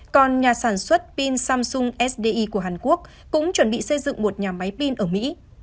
còn nhà sản xuất pin samsung sdi của hàn quốc cũng chuẩn bị xây dựng một nhà máy pin ở mỹ